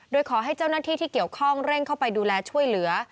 โดยขอให้เจ้าหน้าที่ที่เกี่ยวข้องเร่งเข้าไปดูแลช่วยเหลือ